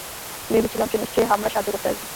ভেবেছিলাম সে নিশ্চয়ই হামলায় সাহায্য করতে আসবে।